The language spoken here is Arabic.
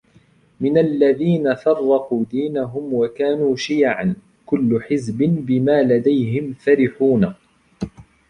مِنَ الَّذِينَ فَرَّقُوا دِينَهُمْ وَكَانُوا شِيَعًا كُلُّ حِزْبٍ بِمَا لَدَيْهِمْ فَرِحُونَ